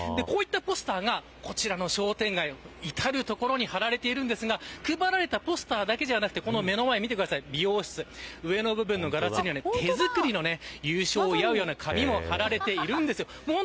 こういったポスターは、商店街至る所に貼られているんですが配られたポスターだけではなくて目の前の美容室、上の部分のガラスには手作りの優勝を祝うような紙が貼られています。